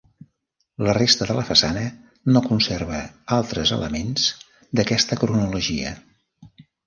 La resta de la façana no conserva altres elements d'aquesta cronologia.